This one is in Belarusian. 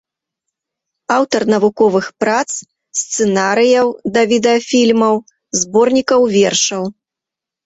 Аўтар навуковых прац, сцэнарыяў да відэафільмаў, зборнікаў вершаў.